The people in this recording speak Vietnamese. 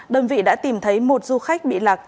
đơn vị đã tìm thấy một du khách bị lạc